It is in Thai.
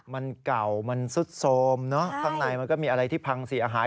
มันเก่ามันซุดโทรมเนอะข้างในมันก็มีอะไรที่พังเสียหาย